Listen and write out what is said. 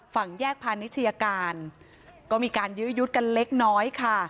ฝั่งแยกพาณิชยาการก็มีการยื้อยุดกันเล็กน้อยค่ะ